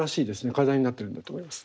課題になっているんだと思います。